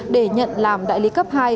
để nhận làm đại lý cấp hai